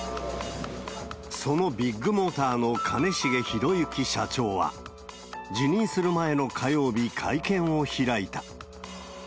そのビッグモーターの兼重宏行社長は、辞任する前の火曜日、会見を開いた。